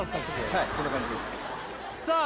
はいこんな感じですさあ